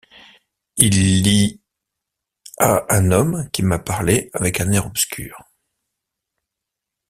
Il v a un homme qui m’a parlé avec un air obscur.